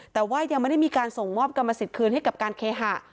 แต่ว่ายังไม่ได้มีการส่งมอบกรรมสิทธิ์คืนให้กับการเคหะ